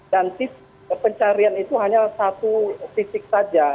dan pencarian itu hanya satu fisik saja